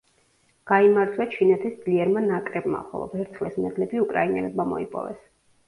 გაიმარჯვა ჩინეთის ძლიერმა ნაკრებმა, ხოლო ვერცხლის მედლები უკრაინელებმა მოიპოვეს.